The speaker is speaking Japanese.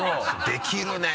できるね！